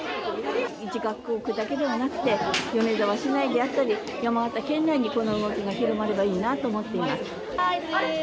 一学校だけではなく米沢市内であったり山形県内にこの動きが広まればいいなと思っています。